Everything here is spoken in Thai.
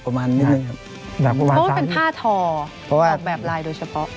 เพราะว่าเป็นผ้าทอแบบลายโดยเฉพาะ